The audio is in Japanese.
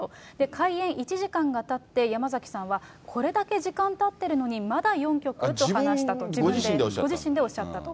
開演１時間がたって、山崎さんはこれだけ時間たってるのに、自分自身でおっしゃったと。